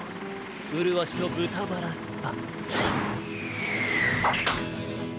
うるわしのぶたバラスパ。